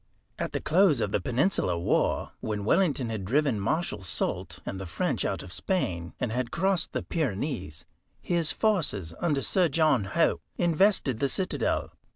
At the close of the Peninsular War, when Wellington had driven Marshal Soult and the French out of Spain, and had crossed the Pyrenees, his forces, under Sir John Hope, invested the citadel.